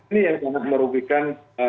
ini yang sangat merugikan